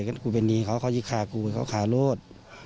ก็กูเป็นดีเขาก็ยิกขากูเขาก็ขาโลศ